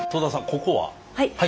ここは？